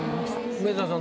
梅沢さん